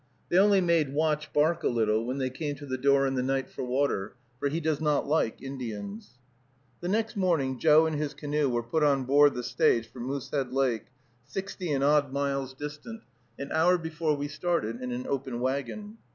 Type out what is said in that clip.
They only made Watch bark a little, when they came to the door in the night for water, for he does not like Indians. The next morning Joe and his canoe were put on board the stage for Moosehead Lake, sixty and odd miles distant, an hour before we started in an open wagon.